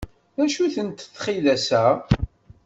D acu-tent txidas-a?